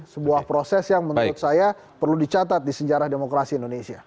sebuah proses yang menurut saya perlu dicatat di sejarah demokrasi indonesia